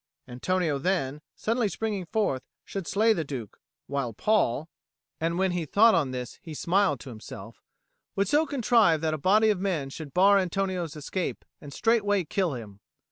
Antonio then, suddenly springing forth, should slay the Duke; while Paul and when he thought on this, he smiled to himself would so contrive that a body of men should bar Antonio's escape, and straightway kill him.